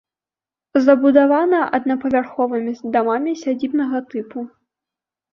Забудавана аднапавярховымі дамамі сядзібнага тыпу.